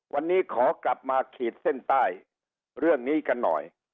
วันนี้ขอกลับมาขีดเส้นใต้เรื่องนี้กันหน่อย